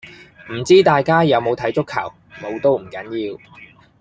唔知大家有冇睇足球，冇都唔緊要